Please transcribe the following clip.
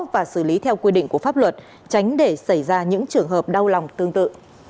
và xử lý theo quy định của pháp luật tránh để xảy ra những trường hợp đau lòng tương tự